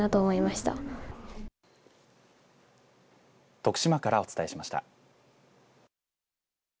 徳島からお伝えしました。